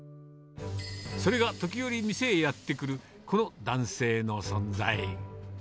それが時折、店へやって来るこの男性の存在。